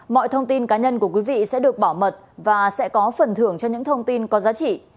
mọi thông tin cá nhân của quý vị sẽ được bảo mật và sẽ có phần thưởng cho những thông tin có giá trị